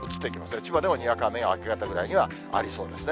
千葉でもにわか雨が明け方ぐらいにはありそうですね。